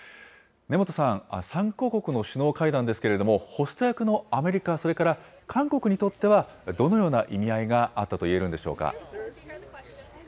根本さん、３か国の首脳会談ですけれども、ホスト役のアメリカ、それから韓国にとっては、どのような意味合いがあったといえるんでしょうか。